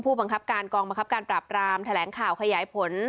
บังคับการกองบังคับการปราบรามแถลงข่าวขยายผล